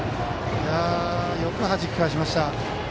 よくはじき返しました。